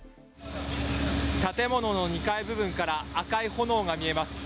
建物の２階部分から赤い炎が見えます。